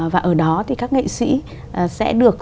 và ở đó thì các nghệ sĩ sẽ được